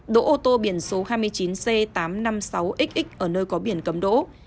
đỗ ô tô biển số hai mươi chín c tám trăm năm mươi sáu x ở nơi có biển cầm đỗ